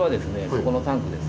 そこのタンクです。